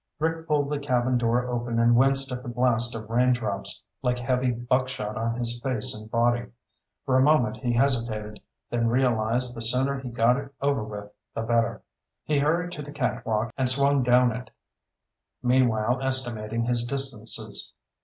Rick pulled the cabin door open and winced at the blast of raindrops, like heavy buckshot on his face and body. For a moment he hesitated, then realized the sooner he got it over with, the better. He hurried to the catwalk and swung down it, meanwhile estimating his distances.